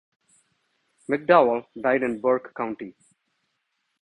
McDowell died in Burke County.